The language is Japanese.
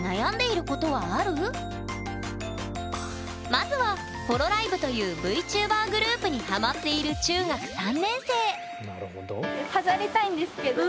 まずはホロライブというＶＴｕｂｅｒグループにハマっている中学３年生なるほど。